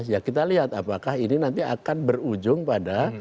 ya kita lihat apakah ini nanti akan berujung pada